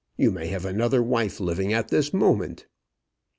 You may have another wife living at this moment."